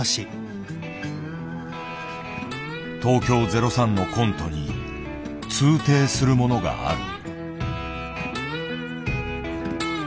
東京０３のコントに通底するものがある。